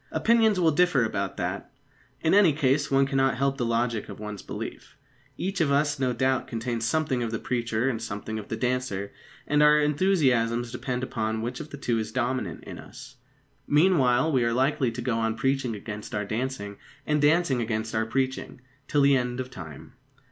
Opinions will differ about that. In any case, one cannot help the logic of one's belief. Each of us, no doubt, contains something of the preacher and something of the dancer; and our enthusiasms depend upon which of the two is dominant in us. Meanwhile, we are likely to go on preaching against our dancing, and dancing against our preaching, till the end of time.